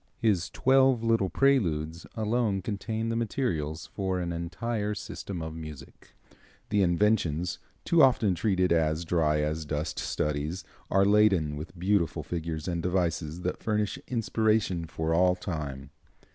His "Twelve Little Preludes" alone contain the materials for an entire system of music. The "Inventions," too often treated as dry as dust studies, are laden with beautiful figures and devices that furnish inspiration for all time.